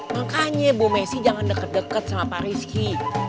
makanya bu messi jangan deket deket sama pak rizky